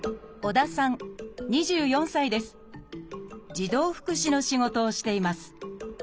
児童福祉の仕事をしています。